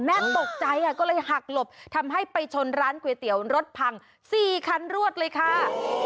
ตกใจก็เลยหักหลบทำให้ไปชนร้านก๋วยเตี๋ยวรถพัง๔คันรวดเลยค่ะ